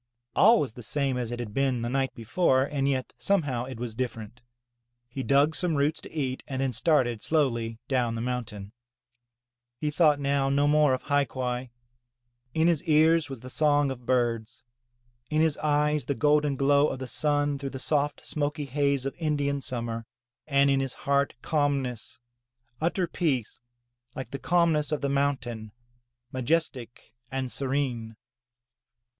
All was the same as it had been the night before, and yet some how it was different. He dug some roots to eat and then started slowly down the mountain. He thought now no more of hai quai. In his ears was the song of birds, in his eyes the golden glow of the sun through the soft smoky haze of Indian summer, and in his heart calmness, utter peace, like the calmness of the mountain, majestic and serene.